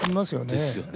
ですよね。